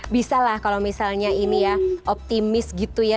bisa lah kalau misalnya ini ya optimis gitu ya